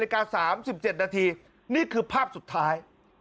นะครับ๑๗นาทีนี่คือภาพสุดท้าย